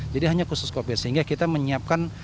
jadi hanya khusus covid sehingga kita menyiapkan